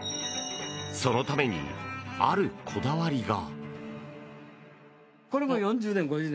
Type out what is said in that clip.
そのために、あるこだわりが。